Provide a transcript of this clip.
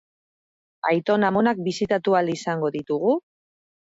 Aiton-amonak bisitatu ahal izango ditugu?